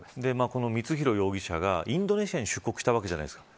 この光弘容疑者がインドネシアに出国したわけじゃないですか。